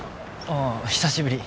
ああ久しぶり